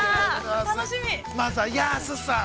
まずは安さん。